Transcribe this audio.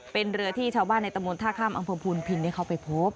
เป็นเรือที่ชาวบ้านในตะมุนท่าข้ามอังพลภูมิพินทร์เขาไปพบ